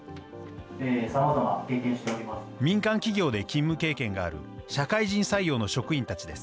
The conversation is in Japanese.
民間企業で勤務経験がある社会人採用の職員たちです。